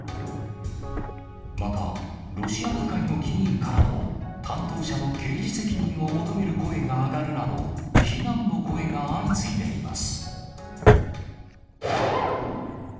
また、ロシア議会の議員からも、担当者の刑事責任を求める声が上がるなど、非難の声が相次いでいます。